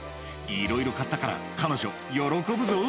「いろいろ買ったから彼女喜ぶぞ」